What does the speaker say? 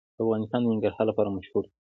افغانستان د ننګرهار لپاره مشهور دی.